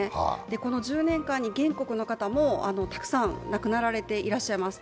この１０年間に原告の方もたくさん亡くなられていらっしゃいます。